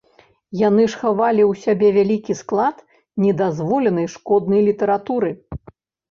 Яны ж хавалі ў сябе вялікі склад недазволенай шкоднай літаратуры.